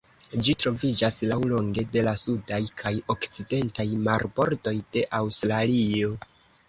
Ĝi troviĝas laŭlonge de la sudaj kaj okcidentaj marbordoj de Aŭstralio.